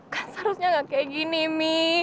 kan seharusnya nggak kayak gini mi